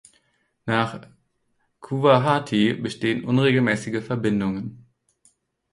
Nach Guwahati bestehen unregelmäßige Verbindungen.